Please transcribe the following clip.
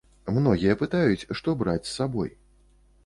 Многія пытаюць, што браць з сабой?